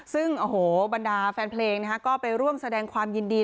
ซึ่งบรรดาแฟนเพลงนะฮะก็ไปร่วมแสดงความยินดี